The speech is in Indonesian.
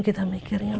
kita mik dirig arif